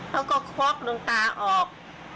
เขาก็ค๊อกดวงตาออก